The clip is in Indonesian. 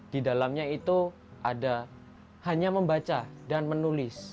di dalamnya itu ada hanya membaca dan menulis